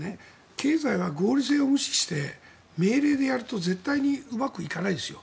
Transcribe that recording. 経済は合理性を無視して命令でやると絶対にうまくいかないですよ。